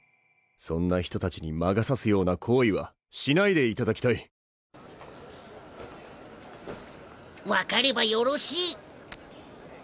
そんな人たちに魔が差すような行為はしないでいただきたい分かればよろしい。